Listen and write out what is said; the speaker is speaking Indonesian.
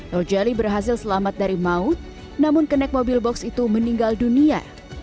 rojali berhasil selamat dari maut namun kenek mobil box itu meninggal dunia